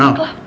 ya panik lah